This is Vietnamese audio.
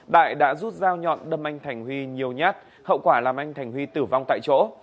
đại đã rút dao nhọn đâm anh thành huy nhiều nhát hậu quả làm anh thành huy tử vong tại chỗ